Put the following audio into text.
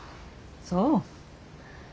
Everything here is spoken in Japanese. そう。